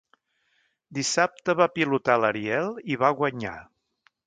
Dissabte va pilotar l'Ariel i va guanyar.